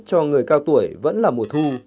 cho người cao tuổi vẫn là mùa thu